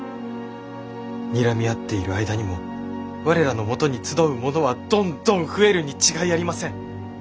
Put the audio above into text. にらみ合っている間にも我らのもとに集う者はどんどん増えるに違いありません。